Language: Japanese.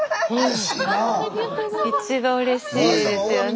スタジオ一番うれしいですよね